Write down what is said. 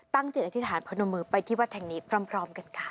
จิตอธิษฐานพนมมือไปที่วัดแห่งนี้พร้อมกันค่ะ